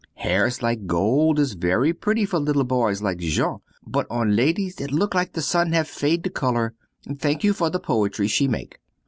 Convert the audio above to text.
Hairs like gold is very pretty for little boys like Jean, but on ladies it look like the sun have fade the color. Thank you for the poetry she make.